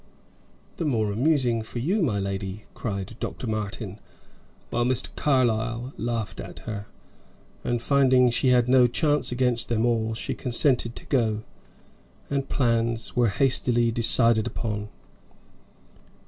"The more amusing for you, my lady," cried Dr. Martin, while Mr. Carlyle laughed at her. And finding she had no chance against them all, she consented to go, and plans were hastily decided upon.